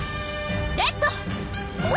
レッド！